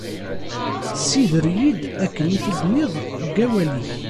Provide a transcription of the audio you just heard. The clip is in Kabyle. Ssider-iyi akken i t-id-tenniḍ deg wawal-ik.